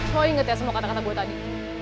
mau inget ya semua kata kata gue tadi